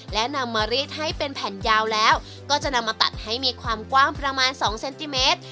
และนำมารีดให้เป็นแผ่นยาวแล้วก็จะนำมาตัดให้มีความกว้างประมาณ๒เซนติเมตร